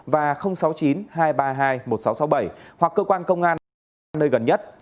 và sáu mươi chín hai trăm ba mươi hai một nghìn sáu trăm sáu mươi bảy hoặc cơ quan công an công an nơi gần nhất